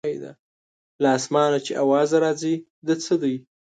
له اسمانه چې اواز راځي د څه دی.